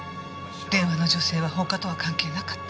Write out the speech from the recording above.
電話の女性は放火とは関係なかった。